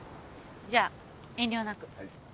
じゃあ遠慮なく。